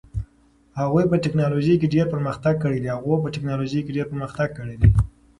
هغوی په ټیکنالوژۍ کې ډېر پرمختګ کړی دي.